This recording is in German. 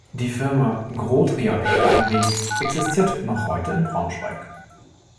Die Firma Grotrian-Steinweg existiert noch heute in Braunschweig.